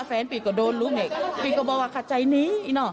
แฟนก็โดนรุ้มเลยปิบอกว่าค่ะใจนี้เนี่ยน่อ